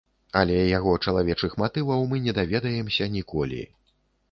Але яго чалавечых матываў мы не даведаемся ніколі.